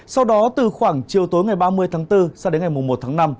sau đó từ khoảng chiều tối ngày ba mươi tháng bốn sang đến ngày một tháng năm